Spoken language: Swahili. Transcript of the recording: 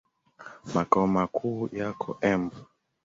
Makao makuu yako Embu.